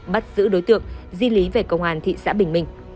bắt giữ đối tượng di lý về công an thị xã bình minh